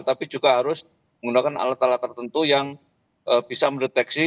tapi juga harus menggunakan alat alat tertentu yang bisa mendeteksi